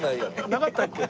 なかったっけ？